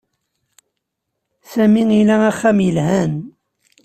Sami ila axxam yelhan.